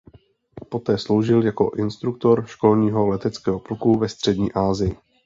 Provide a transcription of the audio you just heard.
Poté sloužil jako instruktor školního leteckého pluku ve střední Asii.